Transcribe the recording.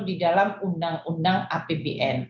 di dalam undang undang apbn